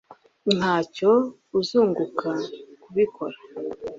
Ntacyo uzunguka kubikora